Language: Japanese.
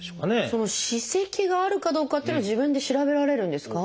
その歯石があるかどうかっていうのは自分で調べられるんですか？